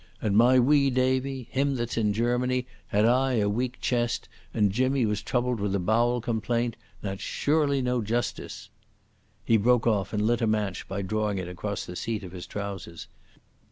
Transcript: And my wee Davie, him that's in Germany, had aye a weak chest, and Jimmy was troubled wi' a bowel complaint. That's surely no justice!'...." He broke off and lit a match by drawing it across the seat of his trousers.